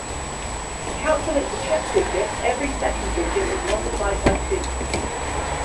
To calculate the check digit every second digit is multiplied by two.